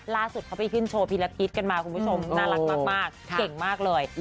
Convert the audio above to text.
ล่าสุดเขาไปขึ้นโชว์พีรทิศกันมาคุณผู้ชมน่ารักมากเก่งมากเลย